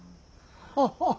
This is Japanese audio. ハハハハ。